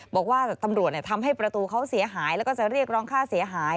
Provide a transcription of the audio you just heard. บอกว่าตำรวจทำให้ประตูเขาเสียหายแล้วก็จะเรียกร้องค่าเสียหาย